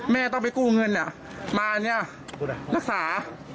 แม่ต้องไปกู้เงินมานี่นักศึกษา